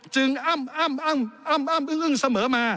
อ้ำอ้ำอึ้งเสมอมา